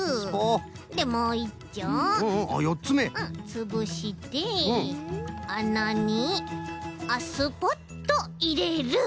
つぶしてあなにスポッといれる。